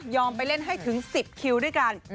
ไปเล่นให้ถึง๑๐คิวด้วยกัน